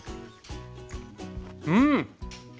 うん！